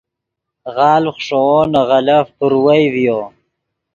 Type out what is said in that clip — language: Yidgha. غالڤ خشوؤ نے غلف پروئے ڤیو